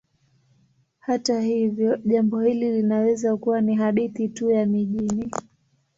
Hata hivyo, jambo hili linaweza kuwa ni hadithi tu ya mijini.